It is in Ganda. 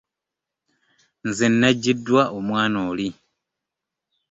Nze najjidwa omwana oli!